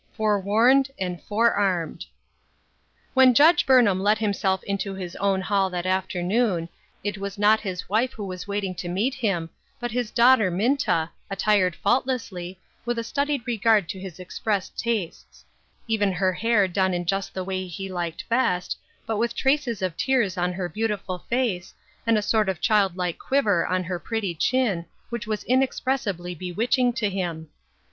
"forewarned" and "forearmed." WHEN Judge Burnham let himself into his own hall that afternoon, it was not his wife who was waiting to meet him, but his daughter Minta, attired faultlessly, with a studied regard to his expressed tastes ; even her hair done in just the way he liked best, but with traces of tears on her beautiful face, and a sort of childlike quiver on her pretty chin which was inexpressibly bewitch ing to him.